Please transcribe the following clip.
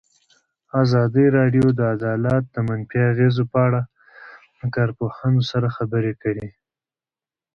ازادي راډیو د عدالت د منفي اغېزو په اړه له کارپوهانو سره خبرې کړي.